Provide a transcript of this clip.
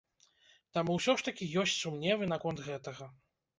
Таму ўсё ж такі ёсць сумневы наконт гэтага.